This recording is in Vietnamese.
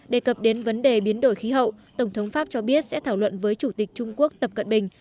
đề cập đến vấn đề biến đổi khí hậu tổng thống pháp cho biết sẽ thảo luận với chủ tịch trung quốc tập cận bình